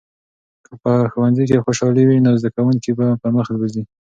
که په ښوونځي کې خوشالي وي، نو زده کوونکي به پرمخ بوځي.